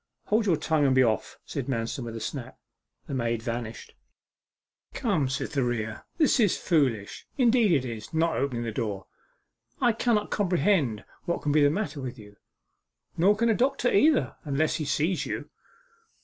'Hold your tongue, and be off!' said Manston with a snap. The maid vanished. 'Come, Cytherea, this is foolish indeed it is not opening the door.... I cannot comprehend what can be the matter with you. Nor can a doctor either, unless he sees you.